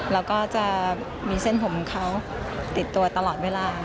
แล้วก็จะมีเส้นผมเขาติดตัวตลอดเวลา